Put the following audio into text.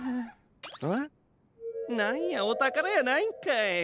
なんやおたからやないんかい。